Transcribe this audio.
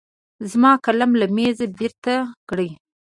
زما قلم له مېزه بېرته کړه.